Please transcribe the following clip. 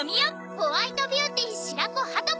ホワイトビューティー白子鳩子。